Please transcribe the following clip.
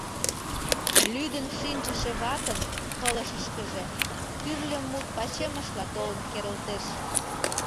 Лӱдын шинчыше ватын пылышышкыже тӱрлӧ мут пачемышла толын керылтеш.